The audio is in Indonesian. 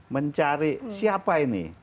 mencari siapa ini